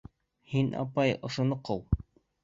Һин, апай, ошоно ҡыу.